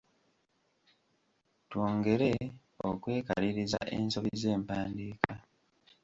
Twongere okwekaliriza ensobi z’empandiika.